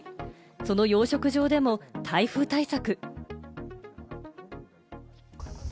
その養殖場でも台風対策。